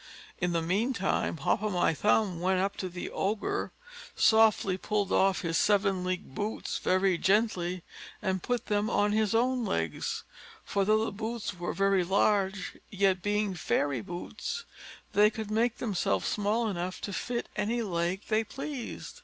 In the mean time Hop o' my thumb went up to the Ogre softly, pulled off his seven league boots very gently, and put them on his own legs: for though the boots were very large, yet being fairy boots, they could make themselves small enough to fit any leg they pleased.